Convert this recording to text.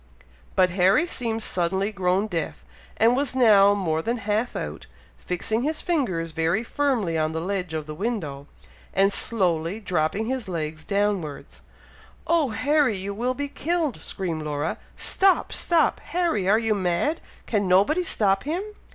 But Harry seemed suddenly grown deaf, and was now more than half out fixing his fingers very firmly on the ledge of the window, and slowly dropping his legs downwards. "Oh Harry! you will be killed!" screamed Laura. "Stop! stop! Harry, are you mad? can nobody stop him?"